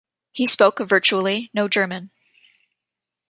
He spoke virtually no German.